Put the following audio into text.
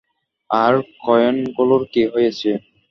আর কয়েনগুলোর কী হয়েছে?